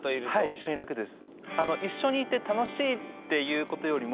一緒に楽です。